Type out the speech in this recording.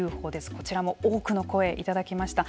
こちらも多くの声をいただきました。